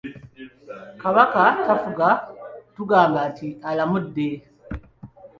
Kabaka tafuga tugamba nti alamudde.